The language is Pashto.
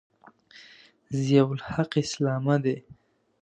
ضیأالحق اسلامه دی.